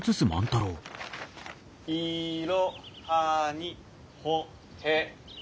「いろはにほへと」。